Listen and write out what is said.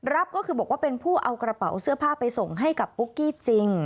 ก็คือบอกว่าเป็นผู้เอากระเป๋าเสื้อผ้าไปส่งให้กับปุ๊กกี้จริง